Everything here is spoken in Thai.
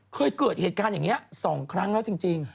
เคยเกิดเหตุการณ์อย่างนี้๒ครั้งแล้วจริง